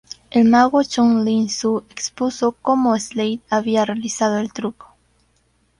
El mago Chung Ling Soo expuso cómo Slade había realizado el truco.